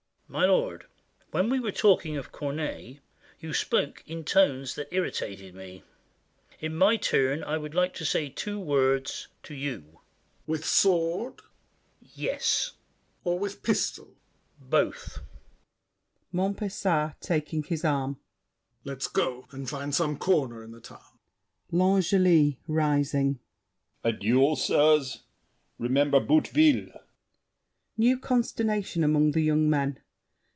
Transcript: My lord, when we were talking of Corneille, You spoke in tones that irritated me. In my turn I would like to say two words To you— MONTPESAT. With sword— VILLAC. Yes. MONTPESAT. Or with pistol? VILLAC. Both! MONTPESAT (taking his arm). Let's go and find some corner in the town. L'ANGELY (rising). A duel, sirs? Remember Boutteville. [New consternation among the young men.